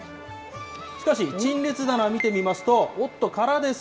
しかし、陳列棚、見てみますと、おっと、空です。